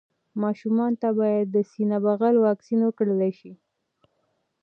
ماشومانو ته باید د سینه بغل واکسين ورکړل شي.